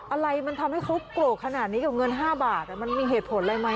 อะไรมันทำให้เขาโกรธขนาดนี้กับเงิน๕บาทมันมีเหตุผลอะไรไหม